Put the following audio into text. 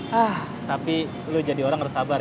hah tapi lo jadi orang harus sabar